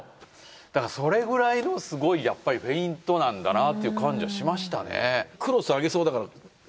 だからそれくらいのすごいフェイントなんだなっていう感じはしましたね。